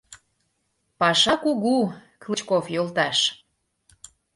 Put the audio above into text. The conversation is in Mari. — Паша кугу, Клычков йолташ...